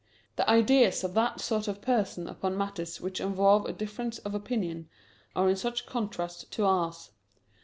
The ideas of that sort of person upon matters which involve a difference of opinion are in such contrast to ours.